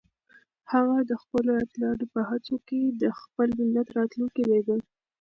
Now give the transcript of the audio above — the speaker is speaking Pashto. هغه د خپلو اتلانو په هڅو کې د خپل ملت راتلونکی لیده.